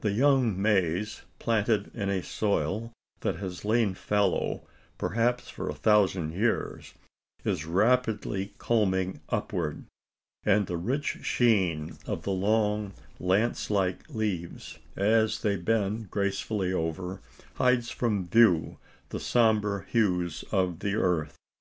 The young maize planted in a soil that has lain fallow, perhaps for a thousand years is rapidly culming upward; and the rich sheen of the long lance like leaves, as they bend gracefully over, hides from view the sombre hues of the earth.